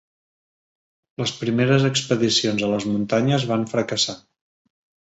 Les primeres expedicions a les muntanyes van fracassar.